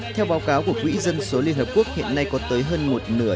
theo báo cáo của quỹ dân số liên hợp quốc hiện nay có tới hơn một nửa